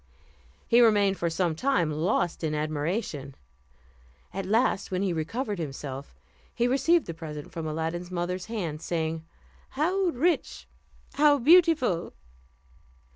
He remained for some time lost in admiration. At last, when he had recovered himself, he received the present from Aladdin's mother's hand; saying, "How rich, how beautiful!"